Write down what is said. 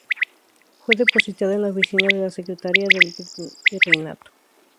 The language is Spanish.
Fue depositada en la oficina de la secretaría del virreinato.